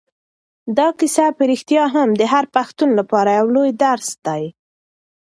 دا کیسه په رښتیا هم د هر پښتون لپاره یو لوی درس دی.